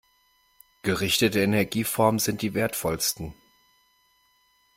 Gerichtete Energieformen sind die wertvollsten.